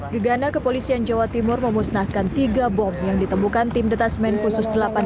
gegana kepolisian jawa timur memusnahkan tiga bom yang ditemukan tim detasmen khusus delapan puluh delapan